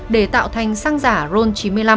để tạo thành xăng giả ron chín mươi năm